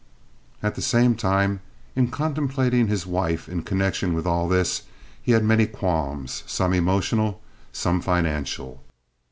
At the same time, in contemplating his wife in connection with all this, he had many qualms, some emotional, some financial.